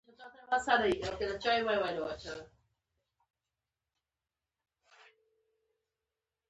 هغه ګوتمۍ په خپله ګوته کې واچوله او تاو یې کړه.